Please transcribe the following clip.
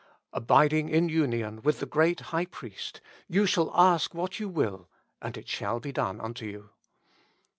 Abiding in union with the Great High Priest, " you shall ask what you will, and it shall be done unto you."